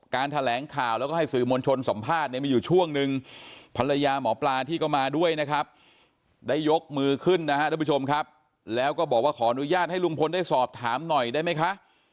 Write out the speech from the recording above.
แถลงข่าวแล้วก็ให้สื่อมวลชนสัมภาษณ์เนี่ยมีอยู่ช่วงนึงภรรยาหมอปลาที่ก็มาด้วยนะครับได้ยกมือขึ้นนะฮะทุกผู้ชมครับแล้วก็บอกว่าขออนุญาตให้ลุงพลได้สอบถามหน่อยได้ไหมคะ